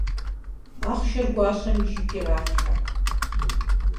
Ахъшэр гуащэм и жып иралъхьэ.